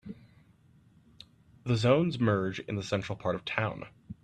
The zones merge in the central part of town.